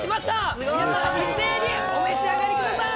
すごい！一斉にお召し上がりください。